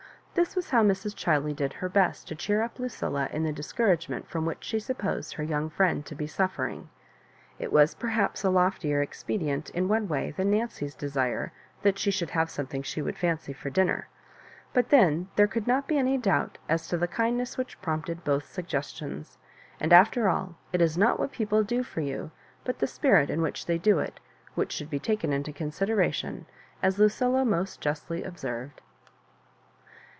This was how'Mra Chiley did her best to cheer up Ludlla in the discouragement firom which she supposed her young fnend to be suf fering. It was perhaps a loftier expedient in one way than Nancy's desire that she should have something she would fancy for dinner ; but then there could not be any doubt as to the kind Digitized by VjOOQIC MISS MABJOBIBANSa 49 jeas Tfhich prompted both suggestions ; and, after all, it is not what people do for you, but the spirit in which they do it, which should be taken into consideration, as Lucilla most justly observed.